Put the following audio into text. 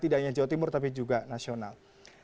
tidak hanya jawa timur tapi juga nasional